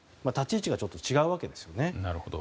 立ち位置がちょっと違うわけですね。